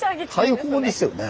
大砲ですよね。